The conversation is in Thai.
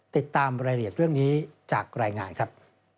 ติดตามรายละเอียดเรื่องนี้จากรายงานครับ